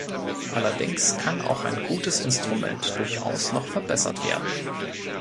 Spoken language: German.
Allerdings kann auch ein gutes Instrument durchaus noch verbessert werden.